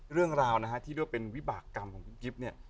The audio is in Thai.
เรื่องราวนะฮะที่เรียกว่าเป็นวิบากรรมของคุณกิ๊บเนี่ย